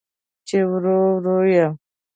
چې ورو، ورو یې